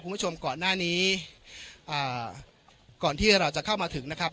คุณผู้ชมก่อนหน้านี้อ่าก่อนที่เราจะเข้ามาถึงนะครับ